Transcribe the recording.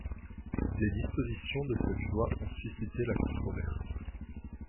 Les dispositions de cette loi ont suscité la controverse.